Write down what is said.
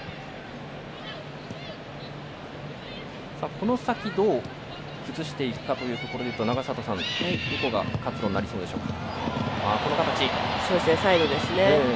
この先、どう崩していくかというところだと、永里さんどこが活路になりそうでしょうか。